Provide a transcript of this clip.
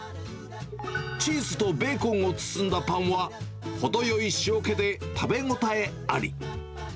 チーズとベーコンを包んだパンは、程よい塩気で、食べ応えあり。